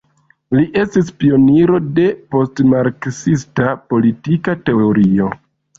Li estis pioniro de postmarksista politika teorio.